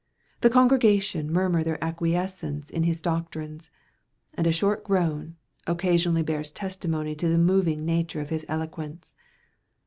The congregation murmur their acquiescence in his doctrines: and a short groan, occasionally bears testimony to the moving nature of his eloquence.